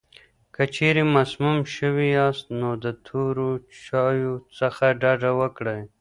که چېرې مسموم شوي یاست، نو د تورو چایو څخه ډډه وکړئ.